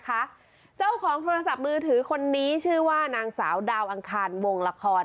เจ้าของโทรศัพท์มือถือคนนี้ชื่อว่านางสาวดาวอังคารวงละคร